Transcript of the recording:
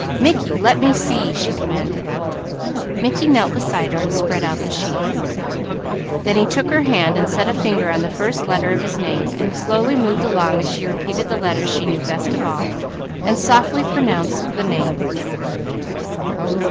"Mickey, let me see!" she commanded. Mickey knelt beside her, spreading out the sheet. Then he took her hand, setting a finger on the first letter of his name and slowly moved along as she repeated the letters she knew best of all, then softly pronounced the name.